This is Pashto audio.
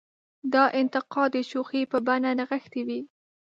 دا انتقاد د شوخۍ په بڼه نغښتې وي.